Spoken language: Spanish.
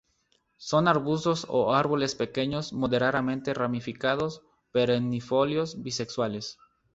Son arbustos o árboles pequeños, moderadamente ramificados, perennifolios, bisexuales.